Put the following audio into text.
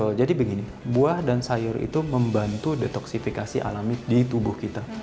betul jadi begini buah dan sayur itu membantu detoksifikasi alami di tubuh kita